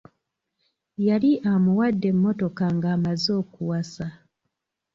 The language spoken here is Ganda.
Yali amuwadde emmotoka ng'amaze okuwasa.